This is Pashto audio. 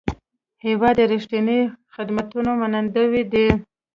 هېواد د رښتیني خدمتونو منندوی دی.